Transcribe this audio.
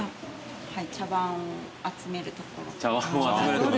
茶碗を集めるところから。